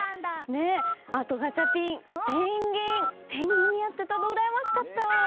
あとガチャピンペンギンに会ってたのうらやましかった！